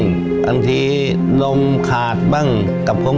บางทีนมขาดบ้าง